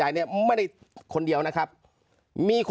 เจ้าหน้าที่แรงงานของไต้หวันบอก